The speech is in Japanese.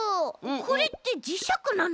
これってじしゃくなの？